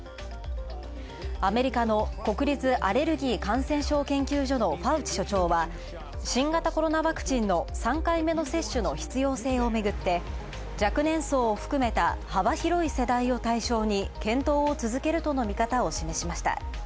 アメリカの国立アレルギー感染症研究所のファウチ所長は、新型コロナワクチンの３回目の接種の必要性をめぐって、若年層を含めた幅広い世代を対象に検討を続けるとの見方を示しました。